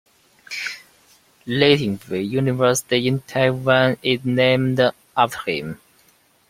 "Lee Teng-Hui University" in Taiwan is named after him.